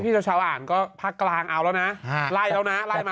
พี่สเทราอ่านก็ภาคกลางเอาแล้วไล่มาแล้วนะ